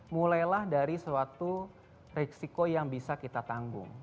mulailah dari suatu resiko yang bisa kita tanggung